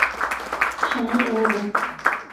شایەنی ئەوە بوو.